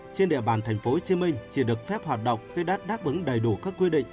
trên địa bàn tp hcm chỉ được phép hoạt động khi đã đáp ứng đầy đủ các quy định